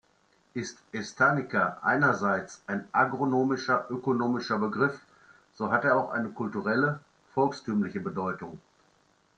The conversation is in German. Ist "Estancia" einerseits ein agronomisch-ökonomischer Begriff, so hat er auch eine kulturelle, volkstümliche Bedeutung.